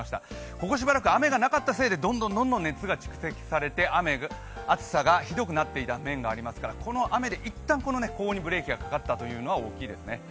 ここしばらく、雨がなかったせいでどんどん熱が蓄積されて暑さがひどくなっていた面がありますから、この雨で一旦高温にブレーキがかかったというのは大きいですね。